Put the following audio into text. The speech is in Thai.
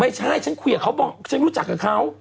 ฉันคุยกับเขาบอกฉันรู้จักกับเขา